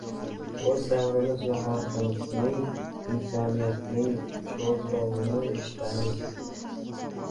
– oʻz davrimiz va xalqimizning, insoniyatning chorlovini eshitamiz.